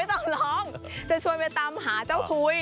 ต้องร้องจะชวนไปตามหาเจ้าคุย